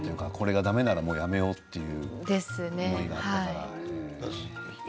これがだめならやめようっていう思いがあったから。